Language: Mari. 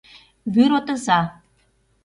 ВӰРОТЫЗА